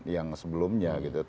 yang sebelumnya gitu